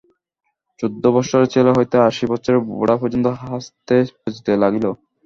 চৌদ্দ বৎসরের ছেলে হইতে আশি বৎসরের বুড়া পর্যন্ত হাজতে পচিতে লাগিল।